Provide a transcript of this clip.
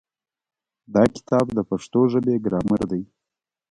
دا کتاب د پښتو ژبې ګرامر دی.